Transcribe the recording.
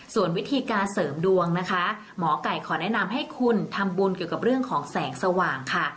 ส่วนวิธีการเสริมดวงนะคะหมอไก่ขอแนะนำให้คุณทำบุญเกี่ยวกับเรื่องของแสงสว่างค่ะ